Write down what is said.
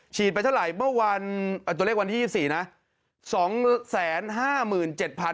ไปเท่าไหร่เมื่อวันตัวเลขวันที่๒๔นะ